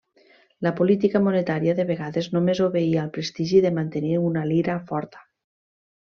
La política monetària de vegades només obeïa al prestigi de mantenir una lira forta.